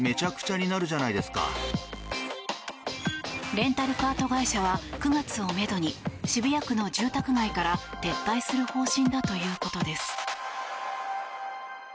レンタルカート会社は９月をめどに渋谷区の住宅街から撤退する方針だということです。